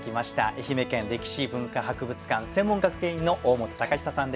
愛媛県歴史文化博物館専門学芸員の大本敬久さんです。